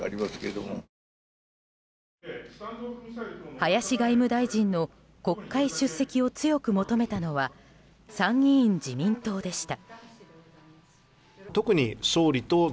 林外務大臣の国会出席を強く求めたのは参議院自民党でした。